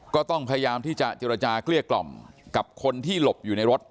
ก็ต้องพยายามที่จะเจรจาเกลี้ยกล่อมกับคนที่หลบอยู่ในรถ